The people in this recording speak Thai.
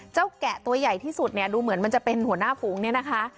แกะตัวใหญ่ที่สุดเนี่ยดูเหมือนมันจะเป็นหัวหน้าฝูงเนี่ยนะคะ